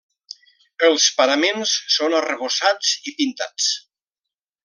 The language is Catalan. Els paraments són arrebossats i pintats.